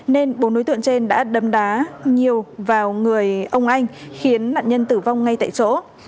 nên bốn đối tượng trên đã đâm đá nhiều vào người ông anh khiến nạn nhân tử vong ngay tại chỗ